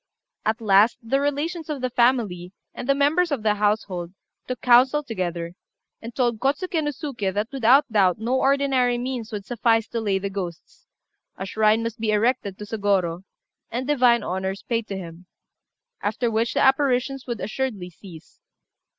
At last the relations of the family and the members of the household took counsel together, and told Kôtsuké no Suké that without doubt no ordinary means would suffice to lay the ghosts; a shrine must be erected to Sôgorô, and divine honours paid to him, after which the apparitions would assuredly cease.